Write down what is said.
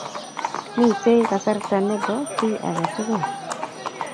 Mitei kasarta nebo kiy age tugul